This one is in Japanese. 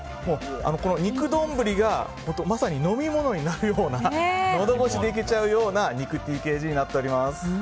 肉丼がまさに飲み物になるようなのど越しでいけちゃうような肉ＴＫＧになっております。